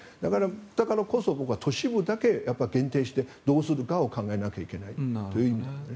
だからこそ僕は都市部だけ限定してどうするかを考えなきゃいけないという意味ですね。